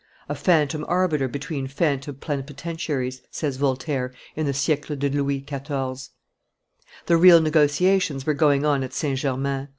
"A phantom arbiter between phantom plenipotentiaries," says Voltaire, in the Siecle de Louis XIV. The real negotiations were going on at St. Germain.